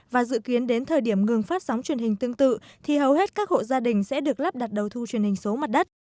và dự kiến đến thời điểm ngừng phát sóng truyền hình tương tự thì hầu hết các hộ gia đình sẽ được lắp đặt đầu thu truyền hình số mặt đất